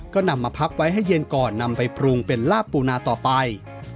ก็นำมาพักไว้ให้เย็นก่อนนำไปปรุงเป็นลาบปูนาต่อไป